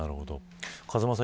風間さん